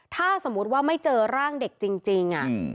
ถ้าสมมุติว่าไม่เจอร่างเด็กจริง